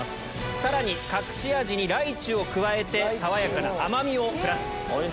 さらに隠し味にライチを加えて爽やかな甘みをプラス。